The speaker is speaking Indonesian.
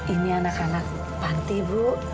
ini anak anak panti bu